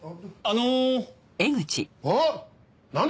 あの。